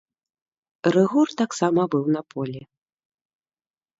Рыгор таксама быў на полі.